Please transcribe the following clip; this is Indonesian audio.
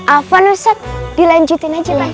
afwan ustadz dilanjutin aja pantunnya